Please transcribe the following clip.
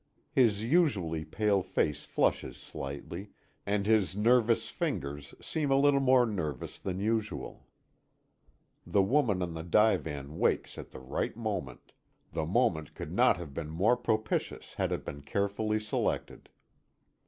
His usually pale face flushes slightly, and his nervous fingers seem a little more nervous than usual. The woman on the divan wakes at the right moment, the moment could not have been more propitious had it been carefully selected.